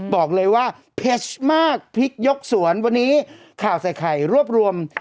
บอกเลยว่าเผ็ดมากพริกยกสวนวันนี้ข่าวใส่ไข่รวบรวม